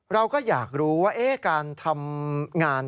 เราก็อยากรู้ว่าการทำงาน